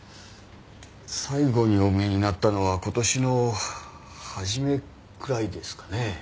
最後にお見えになったのは今年の初めくらいですかね。